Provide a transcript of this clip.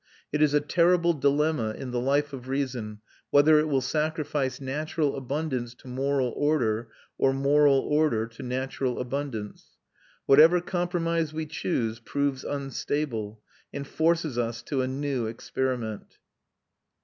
It is a terrible dilemma in the life of reason whether it will sacrifice natural abundance to moral order, or moral order to natural abundance. Whatever compromise we choose proves unstable, and forces us to a new experiment.